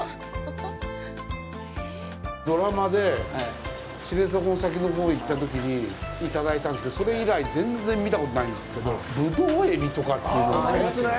ドラマで知床の先のほうに行ったときにいただいたんですけどそれ以来、全然見たことないんですけどブドウエビとかというのね。